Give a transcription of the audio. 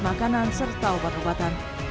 makanan serta obat obatan